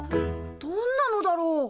どんなのだろう？